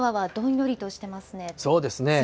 そうですね。